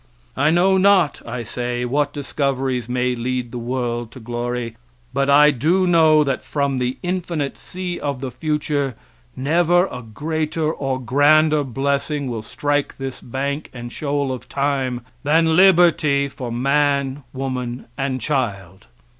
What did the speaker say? I know not, I say, what discoveries may lead the world to glory; but I do know that from the infinite sea of the future never a greater or grander blessing will strike this bank and shoal of time than liberty for man, woman and child.